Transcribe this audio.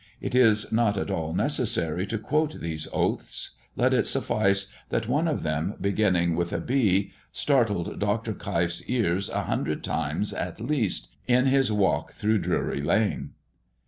It is not at all necessary to quote those oaths. Let it suffice, that one of them, beginning with a B, startled Dr. Keif's ears a hundred times at least in his walk through Drury lane.